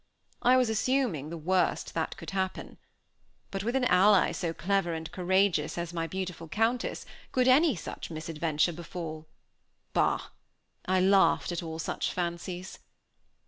I was assuming the worst that could happen. But with an ally so clever and courageous as my beautiful Countess, could any such misadventure befall? Bah! I laughed at all such fancies.